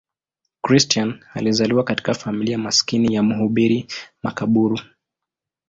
Christian alizaliwa katika familia maskini ya mhubiri makaburu.